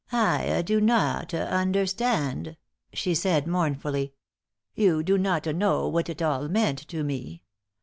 "I do not understand," she said, mournfully. "You do not know whata it all meant to me.